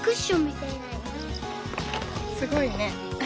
すごいね。